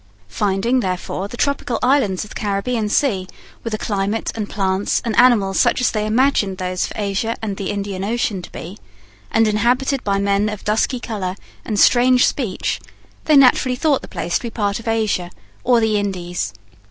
Finding, therefore, the tropical islands of the Caribbean sea with a climate and plants and animals such as they imagined those of Asia and the Indian ocean to be, and inhabited by men of dusky colour and strange speech, they naturally thought the place to be part of Asia, or the Indies.